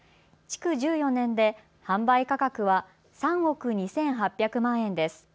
築１４年で販売価格は３億２８００万円です。